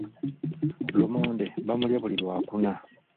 Lumonde bamulya buli lwakuna.